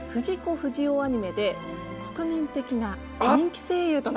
不二雄アニメで国民的な人気声優となる方。